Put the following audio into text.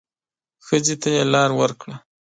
ښځې ته يې لار ورکړه.